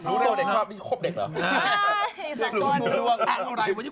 รู้เร็วเด็กชอบที่ชอบเด็กเหรอ